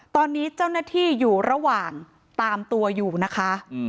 ตอนนี้เจ้าหน้าที่อยู่ระหว่างตามตัวอยู่นะคะ